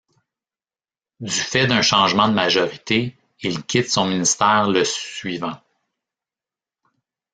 Du fait d'un changement de majorité, il quitte son ministère le suivant.